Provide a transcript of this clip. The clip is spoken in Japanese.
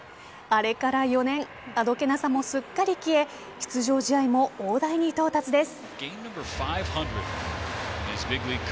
あどけなさもすっかり消え出場試合も大台に到達です。